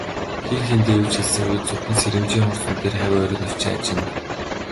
Хэн хэндээ юу ч хэлсэнгүй, зөвхөн сэрэмжийн хурц нүдээр хавь ойроо нэвчин ажна.